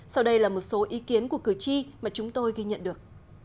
sau đây là một số ý kiến của cử tri mà chúng tôi ghi nhận được